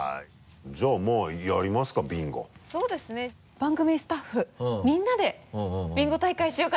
番組スタッフみんなでビンゴ大会しようかなと。